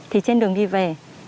thì trên đường đi về